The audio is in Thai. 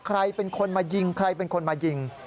ใครเป็นคนมายิงใครเป็นคนมายิง